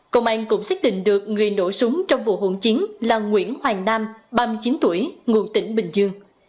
công an cũng xác định được người nổ súng trong vụ hỗn chiến là nguyễn hoàng nam ba mươi chín tuổi ngụ tỉnh bình dương